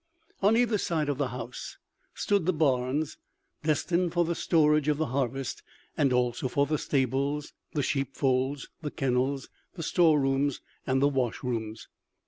On either side of the house stood the barns destined for the storage of the harvest, and also for the stables, the sheepfolds, the kennels, the storerooms and the washrooms.